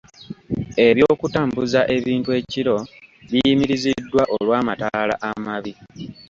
Eby'okutambuza ebintu ekiro biyimiriziddwa olw'amataala amabi.